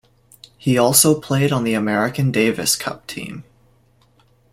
He also played on the American Davis Cup team.